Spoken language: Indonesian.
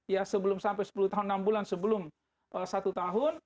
ya sebelum sampai sepuluh tahun enam bulan sebelum satu tahun